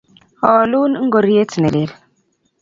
Aalun ngoryet ne lel.